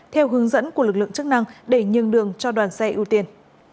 theo hướng dẫn của lực lượng chức năng để nhường đường cho đoàn xe ưu tiên